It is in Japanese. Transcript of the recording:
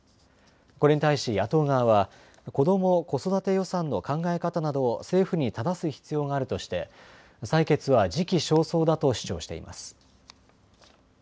これに対し野党側は子ども・子育て予算の考え方などを政府にただす必要があるとして採決は時期尚早だと主張しています。